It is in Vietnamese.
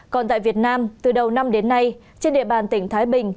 còn tại việt nam từ đầu năm đến nay trên địa bàn tỉnh thái bình